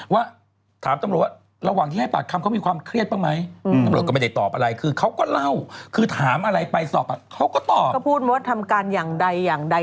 ว่าถามตำรวจว่าระหว่างที่ให้ปากคำเขามีความเครียดเปล่าไหมตำรวจก็ไม่ได้ตอบอะไร